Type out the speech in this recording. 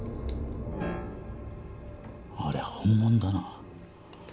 ありゃ本物だな。